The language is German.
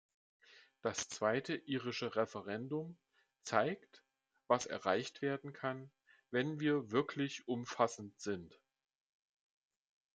Das zweite irische Referendum zeigt, was erreicht werden kann, wenn wir wirklich umfassend sind.